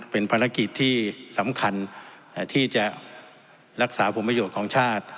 เป็นภารกิจที่สำคัญที่จะรักษาผลประโยชน์ของชาติ